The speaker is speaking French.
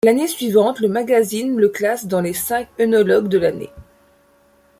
L'année suivante le magazine le classe dans les cinq œnologues de l'année.